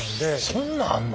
そんなあんの。